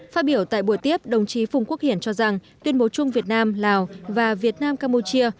phát biểu tại buổi tiếp đồng chí phùng quốc hiển cho rằng tuyên bố chung việt nam lào và việt nam campuchia